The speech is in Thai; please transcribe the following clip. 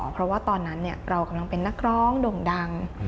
เพราะว่าตอนนั้นเรากำลังเป็นนักร้องด่งดัง